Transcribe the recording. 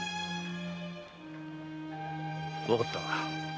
わかった。